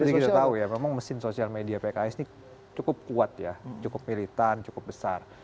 tapi kita tahu ya memang mesin sosial media pks ini cukup kuat ya cukup militan cukup besar